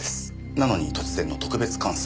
なのに突然の特別監査。